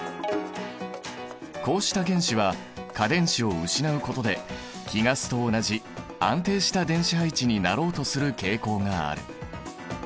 こうした原子は価電子を失うことで貴ガスと同じ安定した電子配置になろうとする傾向がある。